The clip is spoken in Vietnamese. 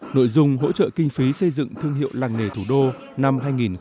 nội dung hỗ trợ kinh phí xây dựng thương hiệu làng nghề thủ đô năm hai nghìn một mươi chín